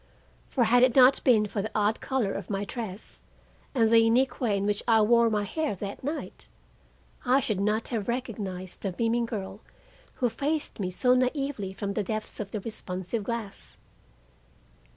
For had it not been for the odd color of my dress and the unique way in which I wore my hair that night, I should not have recognized the beaming girl who faced me so naively from the depths of the responsive glass.